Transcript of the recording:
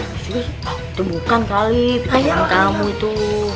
itu bukan itu teman kamu itu